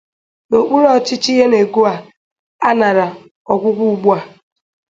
n'okpuru ọchịchị Yenagoa anara ọgwụgwọ ugbua.